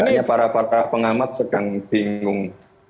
saya tanya ke para pengamat sekarang bingung